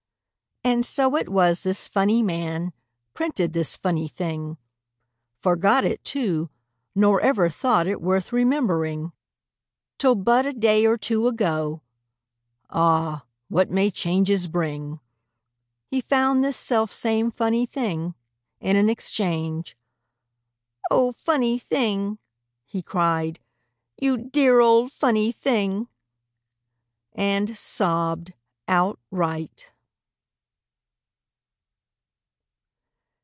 And so it was this funny man Printed this funny thing Forgot it, too, nor ever thought It worth remembering, Till but a day or two ago. (Ah! what may changes bring!) He found this selfsame funny thing In an exchange "O, funny thing!" He cried, "You dear old funny thing!" And Sobbed Outright.